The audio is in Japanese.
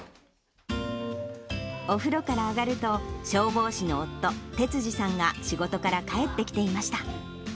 お風呂から上がると、消防士の夫、哲司さんが仕事から帰ってきていました。